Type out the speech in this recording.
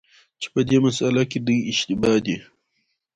چي په دې مسأله کي دی اشتباه دی،